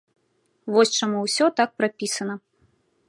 Вось чаму ўсё так прапісана.